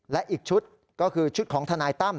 และอีกชุดก็คือชุดของทนายตั้ม